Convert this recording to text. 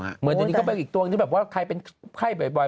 เหมือนที่นี้ก็เป็นอีกตัวอันนี้แบบว่าใครเป็นไข้บ่อย